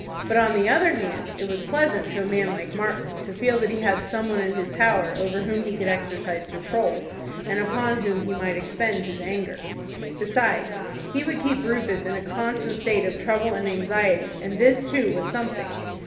But, on the other hand, it was pleasant to a man like Martin to feel that he had some one in his power over whom he could exercise control, and upon whom he might expend his anger. Besides, he would keep Rufus in a constant state of trouble and anxiety, and this, too, was something.